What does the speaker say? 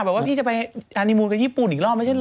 บอกว่าพี่จะไปอานิมูลกับญี่ปุ่นอีกรอบไม่ใช่เหรอ